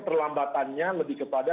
keterlambatannya lebih kepada